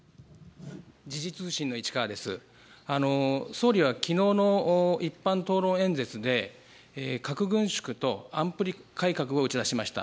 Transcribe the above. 総理はきのうの一般討論演説で、核軍縮と安保理改革を打ち出しました。